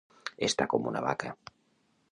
Estar com una vaca.